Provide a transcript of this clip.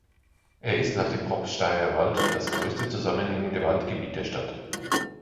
Er ist nach dem Propsteier Wald das größte zusammenhängende Waldgebiet der Stadt.